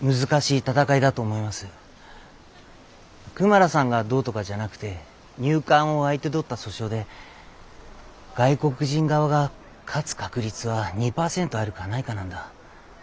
クマラさんがどうとかじゃなくて入管を相手取った訴訟で外国人側が勝つ確率は２％あるかないかなんだ。